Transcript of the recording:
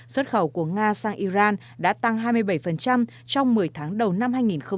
xuất khẩu của nga sang iran đã tăng hai mươi bảy trong một mươi tháng đầu năm hai nghìn hai mươi